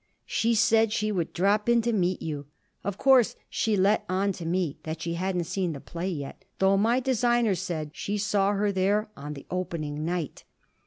She said she would drop in to meet you. Of course she let on to me that she hadn't seen the play yet, though my designer said she saw her there on the opening night."